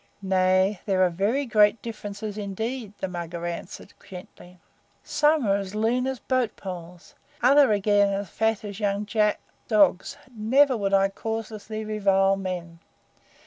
"Nay, there are very great differences indeed," the Mugger answered gently. "Some are as lean as boat poles. Others again are fat as young ja dogs. Never would I causelessly revile men.